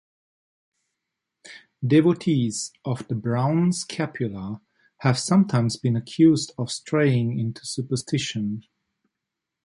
Devotees of the Brown Scapular have sometimes been accused of straying into superstition.